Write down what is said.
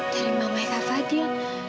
dari mama kak fadil